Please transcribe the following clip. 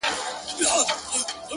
دا مه وايه چي ژوند تر مرگ ښه دی؛